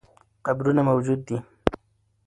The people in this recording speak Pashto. قبرونه موجود دي.